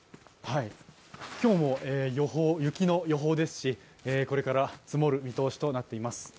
今日も雪の予報ですしこれから積もる見通しとなっています。